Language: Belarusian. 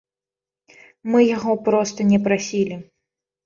Мы яго проста не прасілі.